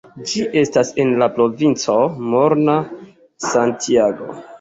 Ĝi estas en la provinco Morona-Santiago.